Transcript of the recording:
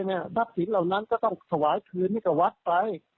ทรัพย์สินเหล่านั้นก็ต้องถวายคืนให้กับวัดไป